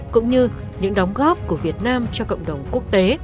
cũng như những đóng góp của việt nam cho cộng đồng quốc tế